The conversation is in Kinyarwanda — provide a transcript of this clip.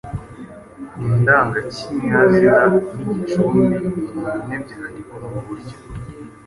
indangakinyazina n’igicumbi . Mu mpine byandikwa muri ubu buryo: